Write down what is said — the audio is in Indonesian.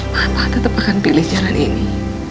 bapak tetap akan pilih jalan ini